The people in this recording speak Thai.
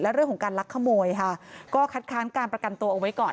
เรื่องของการลักขโมยค่ะก็คัดค้านการประกันตัวเอาไว้ก่อน